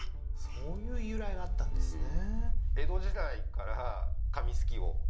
そういう由来があったんですね